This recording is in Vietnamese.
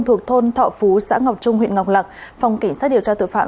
thuộc thôn thọ phú xã ngọc trung huyện ngọc lạc phòng kỳnh sát điều tra tử phạm